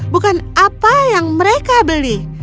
bukan apa yang mereka beli